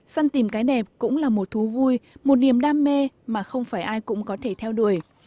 săn tìm cái đẹp cũng là một thú vui một niềm đam mê mà không phải ai cũng có thể theo đuổi